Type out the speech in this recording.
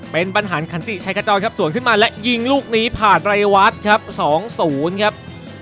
เป็นบรรหารขันติชัยขจรครับสวนขึ้นมาและยิงลูกนี้ผ่านไรวัตรครับ๒๐ครับ